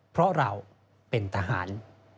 เพราะเราเป็นทหาร